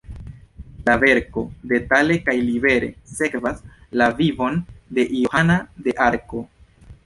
La verko detale kaj libere sekvas la vivon de Johana de Arko.